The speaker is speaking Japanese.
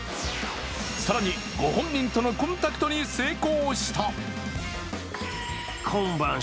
更にご本人とのコンタクトに成功した。